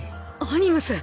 アニムス！